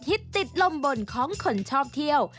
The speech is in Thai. ติดลมบนของคนชอบเที่ยว